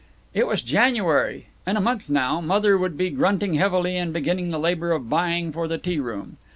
It was January. In a month, now, Mother would be grunting heavily and beginning the labor of buying for the tea room.